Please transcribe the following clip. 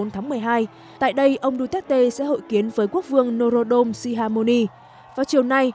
một mươi bốn tháng một mươi hai tại đây ông duterte sẽ hội kiến với quốc vương norodom ciharmoni vào chiều nay